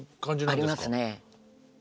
ありますね。